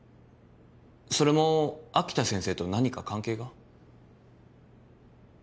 それも秋田先生と何か関係が？